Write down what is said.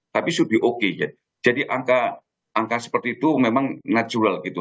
tapi sudah oke ya jadi angka seperti itu memang natural gitu